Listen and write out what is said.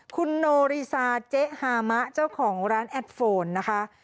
คุณโนริซาเจ๊ฮามะเจ้าของร้านแอดโฟนนะคะ